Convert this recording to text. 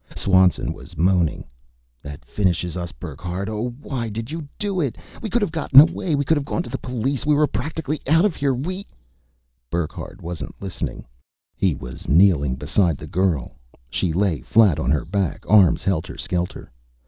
Swanson was moaning. "That finishes us, Burckhardt. Oh, why did you do it? We could have got away. We could have gone to the police. We were practically out of here! We " Burckhardt wasn't listening. He was kneeling beside the girl. She lay flat on her back, arms helter skelter.